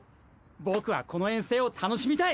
僕はこの遠征を楽しみたい。